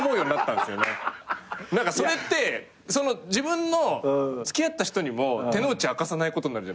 何かそれって自分の付き合った人にも手の内明かさないことになるじゃないですか。